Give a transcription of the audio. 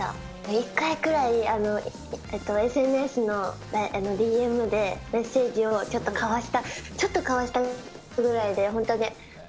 １回くらい、ＳＮＳのＤＭでメッセージをちょっと交わした、ちょっと交わしたぐらいで、本当に。